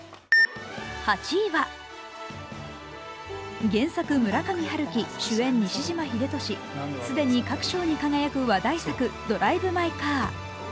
８位は原作、村上春樹、主演、西島秀俊、既に各賞に輝く話題作「ドライブ・マイ・カー」